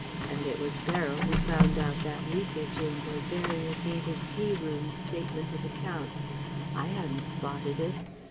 And it was Beryl who found out that leakage in the 'Variegated Tea Rooms' statement of accounts. I hadn't spotted it.